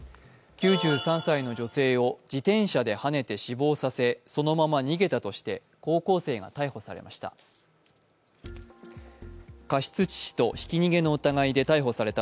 ９３歳の女性を自転車ではねて死亡させ、そのまま逃げたとして高校生が逮捕されました。